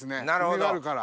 梅があるから。